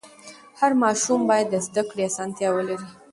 هر ماشوم باید د زده کړې اسانتیا ولري.